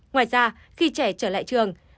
ngoài ra khi trẻ trở lại trường